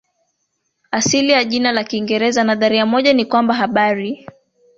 Asili ya jina la Kiingereza Nadharia moja ni kwamba habari